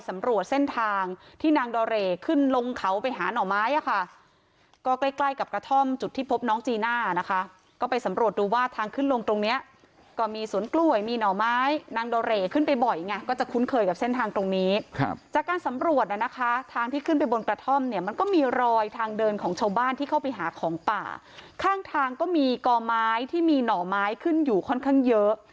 พ่อโดเรเรื่องที่สุดท้ายพ่อโดเรเรื่องที่สุดท้ายพ่อโดเรเรื่องที่สุดท้ายพ่อโดเรเรื่องที่สุดท้ายพ่อโดเรเรื่องที่สุดท้ายพ่อโดเรเรื่องที่สุดท้ายพ่อโดเรเรื่องที่สุดท้ายพ่อโดเรเรื่องที่สุดท้ายพ่อโดเรเรื่องที่สุดท้ายพ่อโดเรเรื่องที่สุดท้ายพ่อโดเรเรื่องที่สุดท้ายพ่อโดเรเรื่องที่